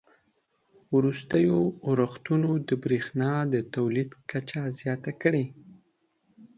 وروستیو اورښتونو د بریښنا د تولید کچه زیاته کړې